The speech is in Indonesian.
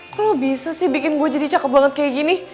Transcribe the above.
kok lo bisa sih bikin gue jadi cakep banget kayak gini